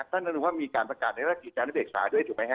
ท่านนึกว่ามีการประกาศในฤทธิ์จานวิทยาลัยเอกสารด้วยถูกมั้ยคะ